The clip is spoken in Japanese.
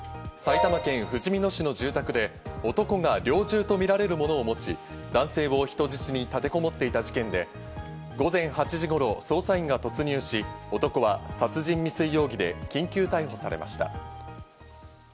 埼玉県ふじみ野市の住宅で男が猟銃とみられるものを持ち、男性を人質に立てこもっていた事件で、午前８時頃、捜査員が突入し、男は殺人未遂容疑で緊急逮捕されました。